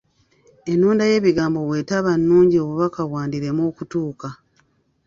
Ennonda y’ebigambo bw’etaba nnungi obubaka bwandirema okutuuka.